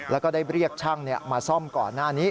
แล้วก็ได้เรียกช่างมาซ่อมก่อนหน้านี้